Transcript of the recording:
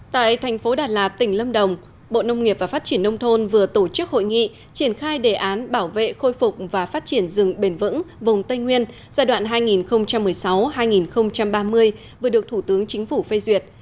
tại thành phố đà lạt tỉnh lâm đồng bộ nông nghiệp và phát triển nông thôn vừa tổ chức hội nghị triển khai đề án bảo vệ khôi phục và phát triển rừng bền vững vùng tây nguyên giai đoạn hai nghìn một mươi sáu hai nghìn ba mươi vừa được thủ tướng chính phủ phê duyệt